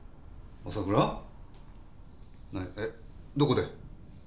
どこで？